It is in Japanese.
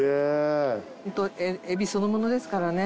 エビそのものですからね。